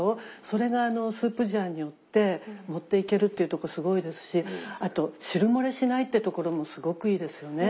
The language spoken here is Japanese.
それがスープジャーによって持っていけるっていうところすごいですしあと汁漏れしないってところもすごくいいですよね。